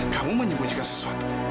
kamu menyembunyikan sesuatu